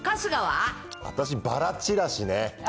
私、ばらちらしね。